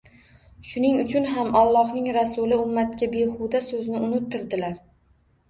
Shuning uchun ham Allohning Rasuli ummatga behuda so‘zni unuttirdilar